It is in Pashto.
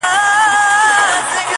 نه بيزو وه نه وياله وه نه گودر وو!!